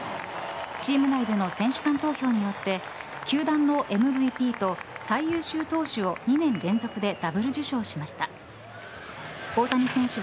チーム内での選手間投票によって球団のＭＶＰと最優秀投手を２年連続でダブル受賞しました。